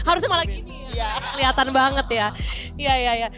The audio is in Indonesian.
harusnya malah gini kelihatan banget ya